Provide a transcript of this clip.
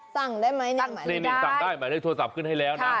สั่งได้ไหมสั่งได้ไหมสั่งได้ไหมโทรศัพท์ขึ้นให้แล้วนะ